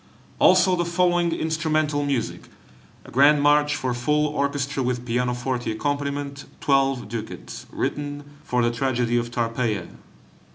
Also the following instrumental music: a Grand March for full orchestra, with pianoforte accompaniment, 12 ducats, written for the tragedy of "Tarpeia."